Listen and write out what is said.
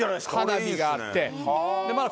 花火があって。